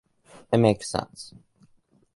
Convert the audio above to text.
It makes sense.